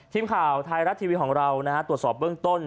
ทีมข่าวไทยรัฐทีวีของเราตรวจสอบเบื้องต้น